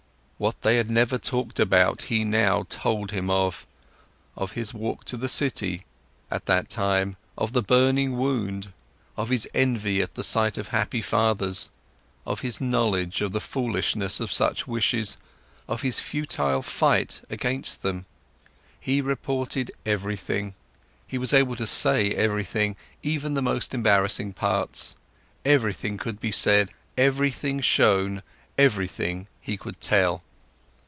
What they had never talked about, he now told him of, of his walk to the city, at that time, of the burning wound, of his envy at the sight of happy fathers, of his knowledge of the foolishness of such wishes, of his futile fight against them. He reported everything, he was able to say everything, even the most embarrassing parts, everything could be said, everything shown, everything he could tell.